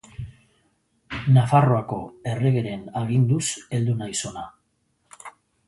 Nafarroako erregeren aginduz heldu naiz hona.